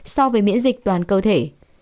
so với miễn dịch toàn cơ thể